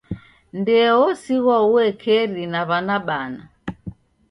Ndee osighwa uekeri na w'ana bana.